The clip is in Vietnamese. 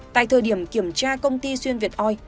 tại thời điểm kiểm tra công ty xuyên việt oi